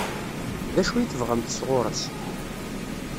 D acu i tebɣamt sɣur-s?